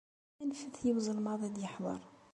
Anfet i uzelmaḍ ad yeḥḍer